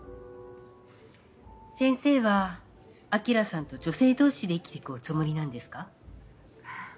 先生は晶さんと女性同士で生きてくおつもりなんですか？